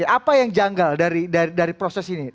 apa yang janggal dari proses ini